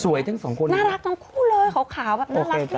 สวยทั้งสองคนอยู่น่ารักทั้งคู่เลยขาวแบบน่ารัก